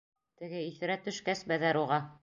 Теге иҫерә төшкәс, Бәҙәр уға: